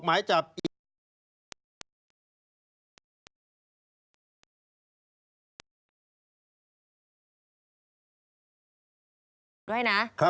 หมายจับอีก